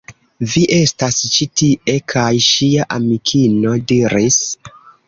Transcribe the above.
Vi estas ĉi tie! kaj ŝia amikino diris: